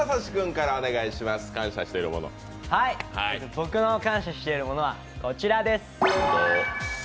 僕の感謝しているものはこちらです。